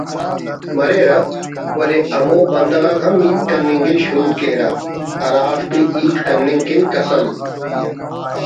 مریرہ ولے ہمو بندغ آک ہم ہیت کننگءِ شروع کیرہ ہرافتے ہیت کننگ کن قسم